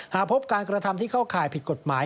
หากพบการกระทำที่เข้าข่ายผิดกฎหมาย